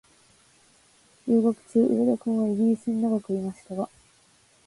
留学中、上田君はイギリスに長くいましたが、